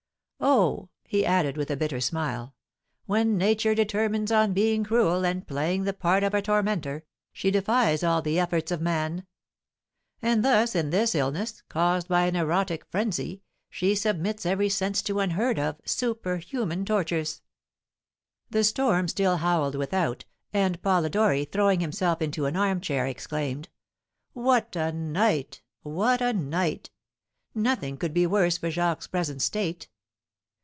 Oh," he added, with a bitter smile, "when nature determines on being cruel and playing the part of a tormentor, she defies all the efforts of man; and thus in this illness, caused by an erotic frenzy, she submits every sense to unheard of, superhuman tortures." The storm still howled without, and Polidori, throwing himself into an armchair, exclaimed, "What a night! What a night! Nothing could be worse for Jacques's present state.